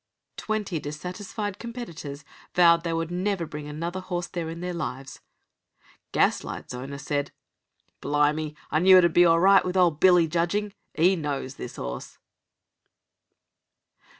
Twenty dissatisfied competitors vowed they would never bring another horse there in their lives. Gaslight's owner said: "Blimey, I knew it would be all right with old Billy judging. 'E knows this 'orse."